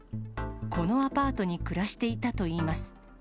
このアパートに暮らしていたといいます。